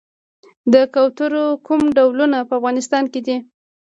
د کوترو کوم ډولونه په افغانستان کې دي؟